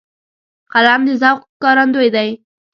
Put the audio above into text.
قلم د ذوق ښکارندوی دی